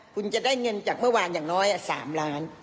คุณจะได้เงินจากเมื่อวานอย่างน้อย๓ล้าน